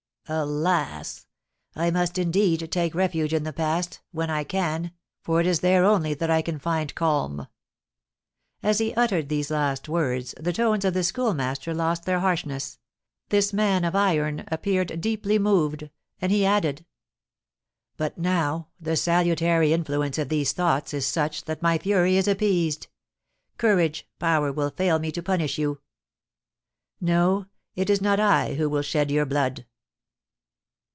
Alas! I must, indeed, take refuge in the past, when I can, for it is there only that I can find calm.'" As he uttered these last words, the tones of the Schoolmaster lost their harshness; this man of iron appeared deeply moved, and he added: "But now the salutary influence of these thoughts is such that my fury is appeased; courage, power will fail me to punish you. No, it is not I who will shed your blood."